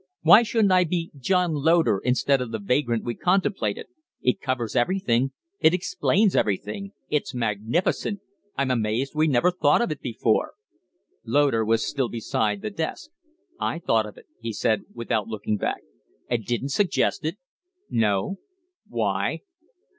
Why shouldn't I be John Loder instead of the vagrant we contemplated? It covers everything it explains everything. It's magnificent! I'm amazed we never thought of it before." Loder was still beside the desk. "I thought of it," he said, without looking back. "And didn't suggest it?" "No." "Why?"